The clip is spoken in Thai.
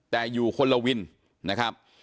แต่อยู่คนละวินนะครับ